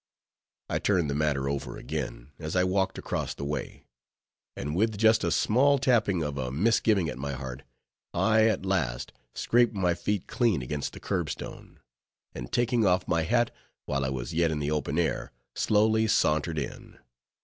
I turned the matter over again, as I walked across the way; and with just a small tapping of a misgiving at my heart, I at last scraped my feet clean against the curb stone, and taking off my hat while I was yet in the open air, slowly sauntered in.